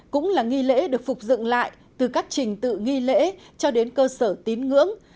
cũng là nghi lễ được phục dựng lại từ các trình tự nghi lễ cho đến cơ sở tín ngưỡng